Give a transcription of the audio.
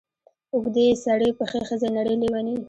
اوږده ې سړې پښې ښځې نرې لېونې